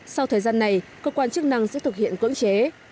sau thời gian này cơ quan chức năng sẽ thực hiện cưỡng chế